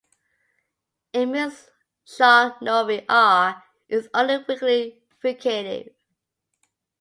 In Mishongnovi, "r" is only weakly fricative.